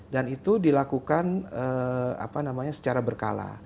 dan itu dilakukan apa namanya secara secara berkala